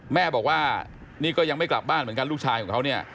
แม่บอกว่านี่ก็ยังไม่กลับบ้านเหมือนกันลูกชายของเขาเนี่ย